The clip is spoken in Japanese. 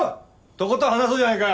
とことん話そうじゃねえか。